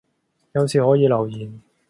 有事可以留言